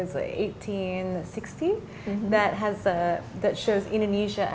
yang menunjukkan indonesia